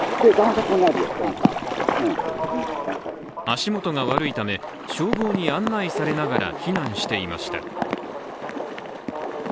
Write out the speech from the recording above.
足元が悪いため、消防に案内されながら避難していました。